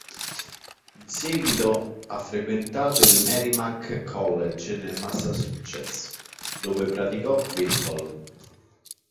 In seguito ha frequentato il Merrimack College nel Massachusetts dove praticò baseball.